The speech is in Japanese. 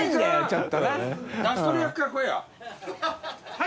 はい。